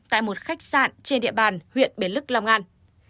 tại một khách sạn trên địa bàn huyện bến lức long an